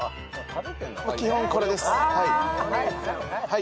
基本これですはい。